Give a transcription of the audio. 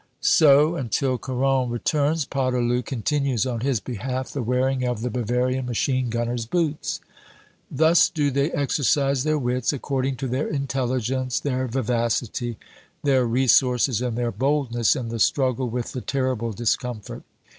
So, until Caron returns, Poterloo continues on his behalf the wearing of the Bavarian machine gunner's boots. Thus do they exercise their wits, according to their intelligence, their vivacity, their resources, and their boldness, in the struggle with the terrible discomfort.